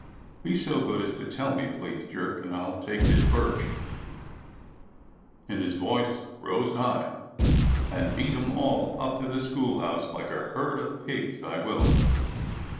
"Be so good as to tell me, please. Jerk, and I'll take this birch" (and his voice rose high) "and beat 'em all up to the schoolhouse like a herd of pigs, I will